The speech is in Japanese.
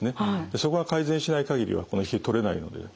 そこが改善しない限りは冷え取れないので。